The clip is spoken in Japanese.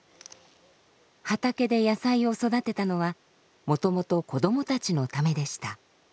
畑で野菜を育てたのはもともと子どもたちのためでした。